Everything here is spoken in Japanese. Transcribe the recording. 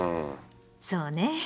そうね。